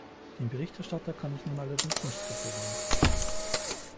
Dem Berichterstatter kann ich nun allerdings nicht gratulieren.